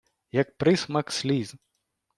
Як присмак сліз...